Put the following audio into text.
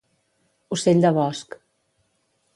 Ocell de bosc.